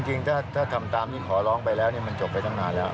จริงถ้าทำตามที่ขอร้องไปแล้วมันจบไปตั้งนานแล้ว